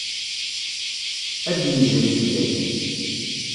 Ad d-yezri fell-ak.